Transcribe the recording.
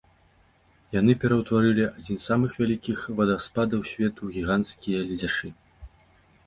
Яны пераўтварылі адзін з самых вялікіх вадаспадаў свету ў гіганцкія ледзяшы.